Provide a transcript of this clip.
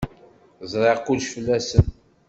Zṛiɣ kullec fell-asen.